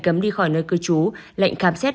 cấm đi khỏi nơi cư trú lệnh khám xét